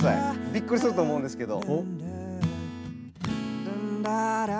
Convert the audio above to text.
びっくりすると思うんですけど。